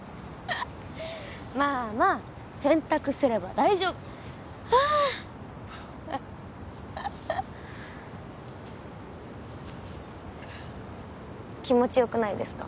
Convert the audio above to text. まあまあ洗濯すれば大丈夫あ気持ちよくないですか？